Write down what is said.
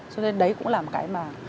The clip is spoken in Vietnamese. cho nên đấy cũng là một cái mà